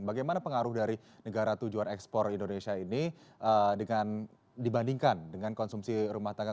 bagaimana pengaruh dari negara tujuan ekspor indonesia ini dibandingkan dengan konsumsi rumah tangga